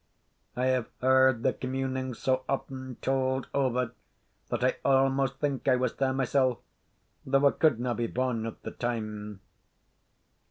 I have heard their communings so often tauld ower that I almost think I was there mysell, though I couldna be born at the time.